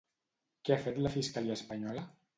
Què ha fet la fiscalia espanyola?